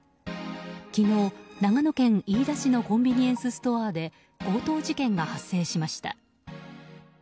昨日、長野県飯田市のコンビニエンスストアで強盗事件が発生しました。